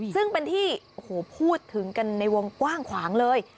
ซึ่งเป็นที่พูดถึงกันในวงกว้างขวางเลย